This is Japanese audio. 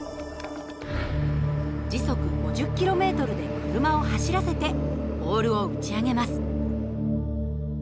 時速５０ｋｍで車を走らせてボールを打ち上げます。